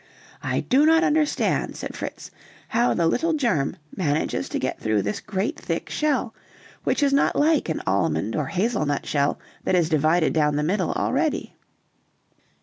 "I do not understand," said Fritz, "how the little germ manages to get through this great thick shell, which is not like an almond or hazel nutshell, that is divided down the middle already."